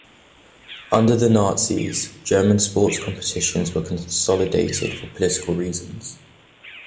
Under the Nazis, German sports competitions were consolidated for political reasons.